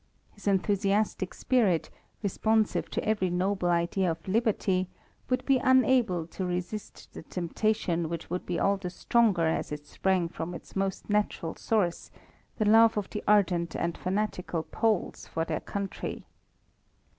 His enthusiastic spirit, responsive to every noble idea of liberty, would be unable to resist the temptation which would be all the stronger as it sprang from its most natural source, the love of the ardent and fanatical Poles for their country.